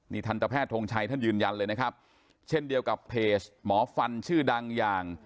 ทันตแพทย์ทงชัยท่านยืนยันเลยนะครับเช่นเดียวกับเพจหมอฟันชื่อดังอย่าง